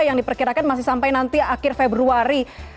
yang diperkirakan masih sampai nanti akhir februari